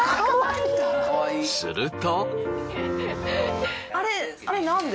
すると。